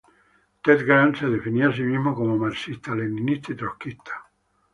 Ted Grant se definía a sí mismo como marxista, leninista y trotskista.